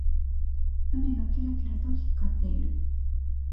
海がキラキラと光っている。